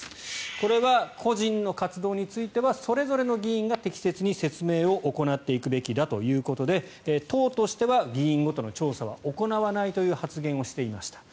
これは個人の活動についてはそれぞれの議員が適切に説明を行っていくべきだということで党としては議員ごとの調査は行わないという発言をしていました。